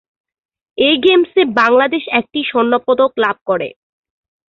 এই গেমসে বাংলাদেশ একটি স্বর্ণ পদক লাভ করে।